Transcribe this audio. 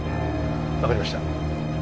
わかりました。